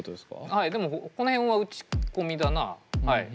はいでもこの辺は打ち込みだな。